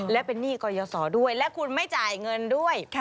และเป็นหนี้กรยศด้วยและคุณไม่จ่ายเงินด้วย